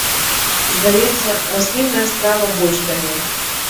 Здаецца, раслінная страва больш дае.